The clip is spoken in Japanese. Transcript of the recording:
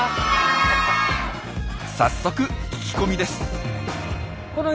早速聞き込みです。